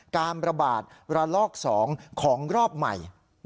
การระบาดระลอก๒ของรอบใหม่